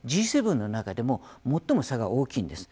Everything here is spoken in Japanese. Ｇ７の中でも最も差が大きいんです。